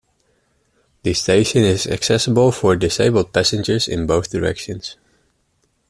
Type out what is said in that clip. The station is accessible for disabled passengers in both directions.